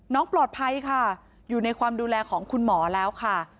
น้องปลอดภัยค่ะอยู่ในความดูแลของคุณหมอแล้วค่ะ